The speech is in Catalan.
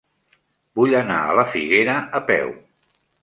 Vull anar a la Figuera a peu.